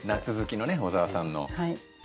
夏好きのね小沢さんの。